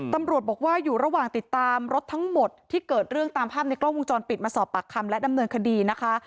ตำรวจบอกว่าอยู่ระหว่างติดตามรถทั้งหมดที่เกิดเรื่องตามภาพในกล้องวงจรปิดมาสอบปากคำและดำเนินคดีนะคะ